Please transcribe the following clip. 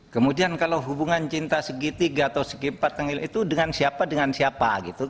kemudian kalau hubungan cinta segitiga atau segitiga itu dengan siapa dengan siapa